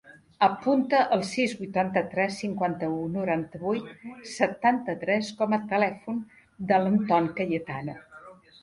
Apunta el sis, vuitanta-tres, cinquanta-u, noranta-vuit, setanta-tres com a telèfon de l'Anton Cayetano.